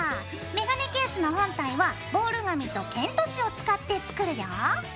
メガネケースの本体はボール紙とケント紙を使って作るよ。